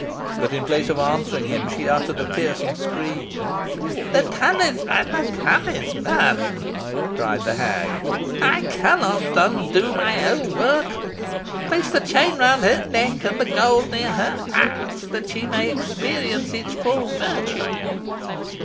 But in place of answering him she uttered a piercing scream. "The talisman, the talisman?" cried the hag. "I cannot undo my own work. Place the chain round her neck, and the gold near her heart, that she may experience its full virtue."